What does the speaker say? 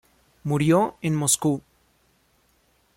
Murió en Moscú.